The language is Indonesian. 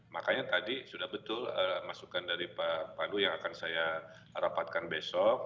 makanya tadi sudah betul masukan dari pak pandu yang akan saya rapatkan besok